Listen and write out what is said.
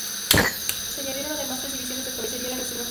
Se añadieron además tres divisiones de caballería a la reserva general.